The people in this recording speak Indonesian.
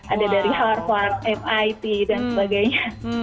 ada dari harvard mit dan sebagainya